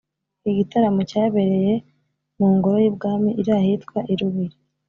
Iki gitaramo cyabereye mu ngoro y’i Bwami iri ahitwa i Lubiri